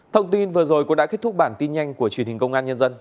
thông tin vừa rồi cũng đã kết thúc bản tin nhanh của truyền hình công an nhân dân